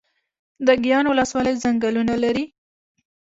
د ګیان ولسوالۍ ځنګلونه لري